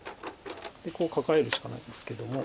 こうカカえるしかないんですけども。